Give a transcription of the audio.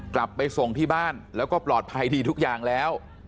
กลับไปส่งที่บ้านแล้วก็ปลอดภัยดีทุกอย่างแล้ว